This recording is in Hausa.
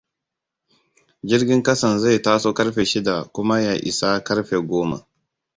Jirgin ƙasan zai taso ƙarfe shida kuma ya isa ƙarfe goma.